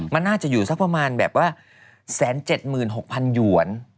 มันน่าจะอยู่สักประมาณแบบว่า๑๗๖๐๐หยวน